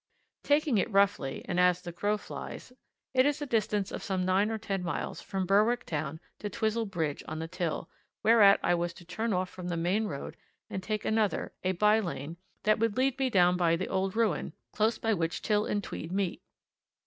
Taking it roughly, and as the crow flies, it is a distance of some nine or ten miles from Berwick town to Twizel Bridge on the Till, whereat I was to turn off from the main road and take another, a by lane, that would lead me down by the old ruin, close by which Till and Tweed meet.